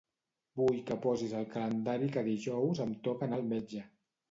Vull que posis al calendari que dijous em toca anar al metge.